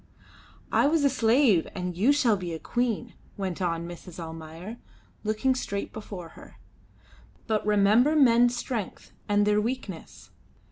"I was a slave, and you shall be a queen," went on Mrs. Almayer, looking straight before her; "but remember men's strength and their weakness.